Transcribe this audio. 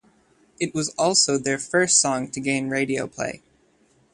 It was also their first song to gain radio play.